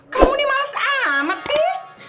kamu ini males amat sih